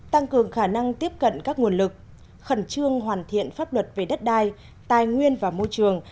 tăng cường khả năng tiếp cận các nguồn lực khẩn trương hoàn thiện pháp luật về đất đai tài nguyên và môi trường